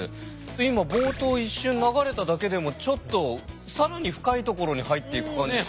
今冒頭一瞬流れただけでもちょっと更に深いところに入っていく感じしますね。